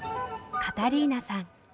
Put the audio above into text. カタリーナさん。